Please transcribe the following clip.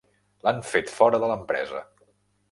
L'han fet fora de l'empresa.